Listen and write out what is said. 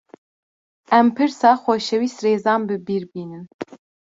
Em pirsa xoşewîst Rêzan bi bîr bînin